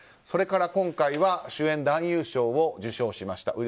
それから今回は主演男優賞を受賞しました。